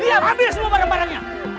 diam ambil semua barang barangnya